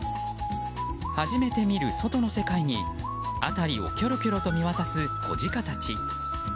初めて見る外の世界に辺りをきょろきょろと見渡す子ジカたち。